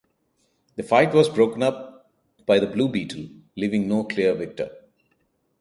The fight was broken up by the Blue Beetle, leaving no clear victor.